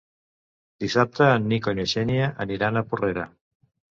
Dissabte en Nico i na Xènia aniran a Porrera.